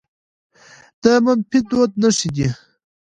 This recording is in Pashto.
د منفي دود نښې دي